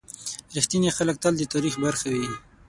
• رښتیني خلک تل د تاریخ برخه وي.